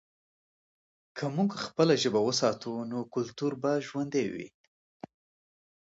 که موږ خپله ژبه وساتو، نو کلتور به ژوندی وي.